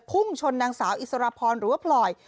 พุ่งชนนางสาวอิสรพรหรือว่าพลอย